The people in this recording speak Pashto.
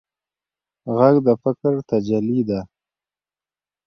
غږ د فکر تجلی ده